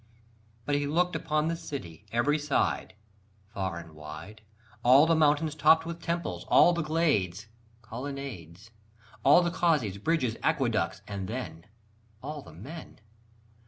But he looked upon the city, every side, Far and wide, All the mountains topped with temples, all the glades' Colonnades, All the causeys, bridges, aqueducts, and then, All the men!